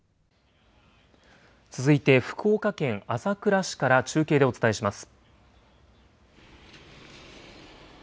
続いて福岡県朝倉市から中継でお伝えします。